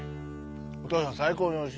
お父さん最高においしい。